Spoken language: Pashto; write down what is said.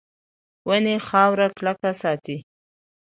ونې خاوره کلکه ساتي.